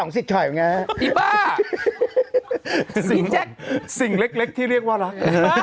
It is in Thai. สิ่งเล็กที่เรียกว่ารัก